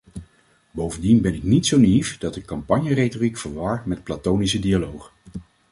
Bovendien ben ik niet zo naïef dat ik campagneretoriek verwar met platonische dialoog.